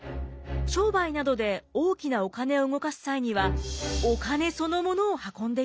商売などで大きなお金を動かす際にはお金そのものを運んでいました。